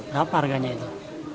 berapa harganya itu